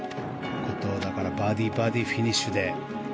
バーディー、バーディーフィニッシュで。